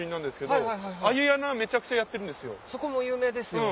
そこも有名ですよね。